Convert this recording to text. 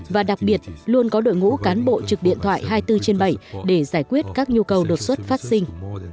và đặc biệt luôn có đội ngũ cán bộ trực điện thoại hai mươi bốn trên bảy để giải quyết các nhu cầu đột xuất phát sinh